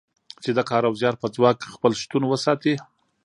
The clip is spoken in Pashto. چې د کار او زیار په ځواک خپل شتون وساتي.